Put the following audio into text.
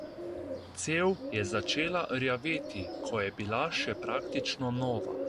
Cev je začela rjaveti, ko je bila še praktično nova.